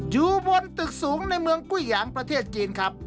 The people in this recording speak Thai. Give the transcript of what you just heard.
อยู่บนตึกสูงในเมืองกุ้ยหยางประเทศจีนครับ